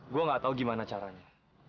gue gak tau gimana caranya